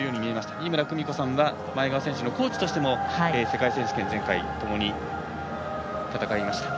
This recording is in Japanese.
井村久美子さんは前川選手のコーチとしても世界選手権、前回戦いました。